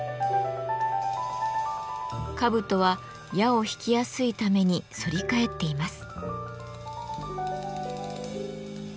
兜は矢を引きやすいために反り返っています。